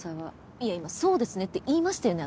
いや今「そうですね」って言いましたよね？